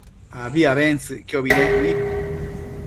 abi abentsëcquiobi nec nëid